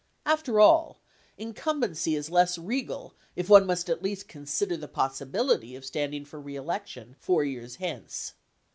After all, incumbency is less regal if one must at least consider the possibility of standing for re election 4 years hence.